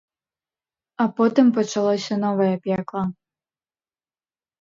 А потым пачалося новае пекла.